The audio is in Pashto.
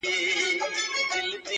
شیخ پیودلی د ریا تار په تسبو دی,